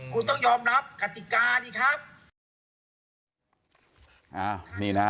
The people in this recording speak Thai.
คุณต้องยอมรับกติกานี่ครับ